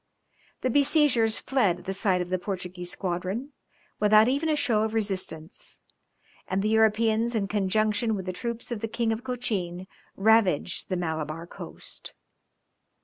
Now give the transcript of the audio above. The besiegers fled at the sight of the Portuguese squadron, without even a show of resistance, and the Europeans in conjunction with the troops of the King of Cochin ravaged the Malabar Coast.